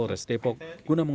terus tas tas semua isinya doang